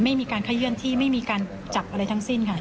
ไม่มีการขยื่นที่ไม่มีการจับอะไรทั้งสิ้นค่ะ